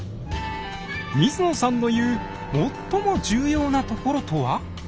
水野さんの言う「最も重要なところ」とは？